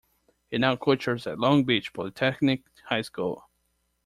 He now coaches at Long Beach Polytechnic High School.